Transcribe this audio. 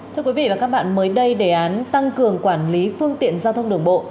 thưa quý vị và các bạn mới đây đề án tăng cường quản lý phương tiện giao thông đường bộ